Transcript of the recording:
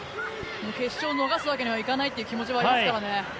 決勝を逃すわけにはいかないという気持ちはありますからね。